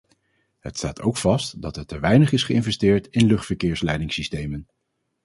Het staat ook vast dat er te weinig is geïnvesteerd in luchtverkeersleidingssystemen.